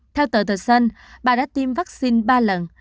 theo tờ the sun bà đã tiêm vaccine ba lần